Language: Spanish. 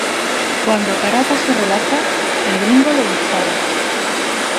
Cuando Caracas se relaja, el Gringo le dispara.